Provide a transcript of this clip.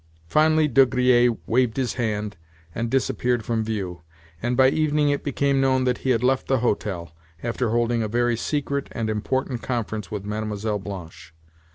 Finally De Griers waved his hand, and disappeared from view; and by evening it became known that he had left the hotel, after holding a very secret and important conference with Mlle. Blanche.